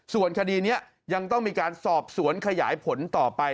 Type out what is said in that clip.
ส่วนคดีนี้ยังต้องมีการสอบสวนขยายผลต่อไป